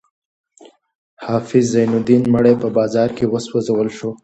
د حافظ زین الدین مړی په بازار کې وسوځول شو.